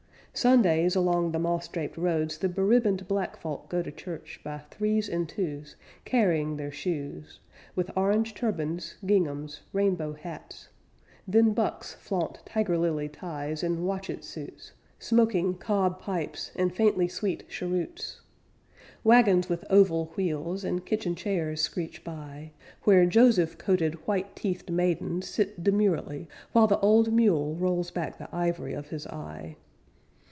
Sundays, along the moss draped roads, The beribboned black folk go to church By threes and twos, carrying their shoes, With orange turbans, ginghams, rainbow hats; Then bucks flaunt tiger lily ties and watchet suits, Smoking cob pipes and faintly sweet cheroots. Wagons with oval wheels and kitchen chairs screech by, Where Joseph coated white teethed maidens sit Demurely, While the old mule rolls back the ivory of his eye.